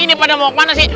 ini pada mau kemana sih